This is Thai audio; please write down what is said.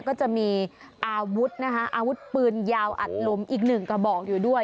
ก็จะมีอาวุธนะคะอาวุธปืนยาวอัดลมอีกหนึ่งกระบอกอยู่ด้วย